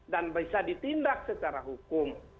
dan bisa ditindak secara hukum